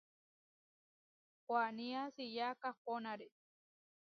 Huanía siyá kahpónare.